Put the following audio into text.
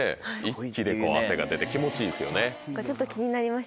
一気で汗が出て気持ちいいんですよね。